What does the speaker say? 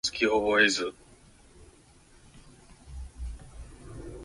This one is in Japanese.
あなた次第なのよ、全て